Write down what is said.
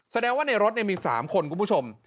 แสดงว่าในรถมี๓คนคุณผู้ชม